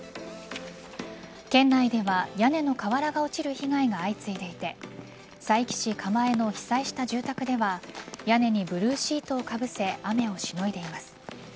県内では屋根の瓦が落ちる被害が相次いでいて佐伯市蒲江の被災した住宅では屋根にブルーシートをかぶせ雨をしのいでいます。